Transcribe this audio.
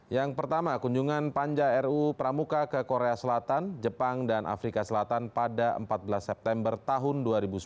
yang pertama kunjungan panja ruu pramuka ke korea selatan jepang dan afrika selatan pada empat belas september tahun dua ribu sembilan belas